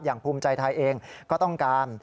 ภูมิใจไทยเองก็ต้องการ